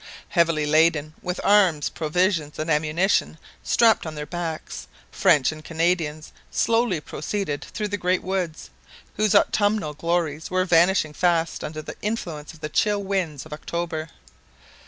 Heavily laden, with arms, provisions, and ammunition strapped on their backs, French and Canadians slowly proceeded through the great woods, whose autumnal glories were vanishing fast under the influence of the chill winds of October.